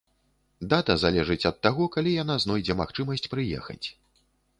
Дата залежыць ад таго, калі яна знойдзе магчымасць прыехаць.